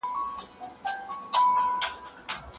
آیا علم د جهالت تورې تیارې له منځه وړي؟